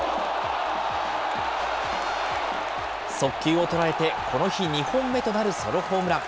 速球を捉えてこの日２本目となるソロホームラン。